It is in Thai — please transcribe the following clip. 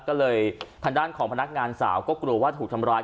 ก็เลยทางด้านของพนักงานสาวก็กลัวว่าถูกทำร้าย